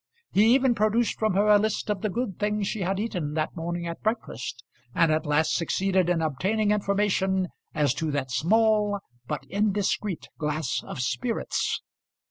He even produced from her a list of the good things she had eaten that morning at breakfast, and at last succeeded in obtaining information as to that small but indiscreet glass of spirits.